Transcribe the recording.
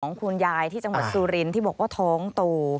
คุณยายที่จังหวัดสุรินที่บอกว่าท้องโต